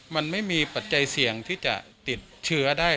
มันไม่มีปัจจัยเสี่ยงที่จะติดเชื้อได้